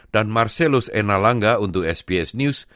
dan marcellus enalanga untuk sbs news